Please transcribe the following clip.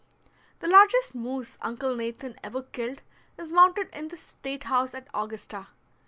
The largest moose Uncle Nathan ever killed is mounted in the State House at Augusta.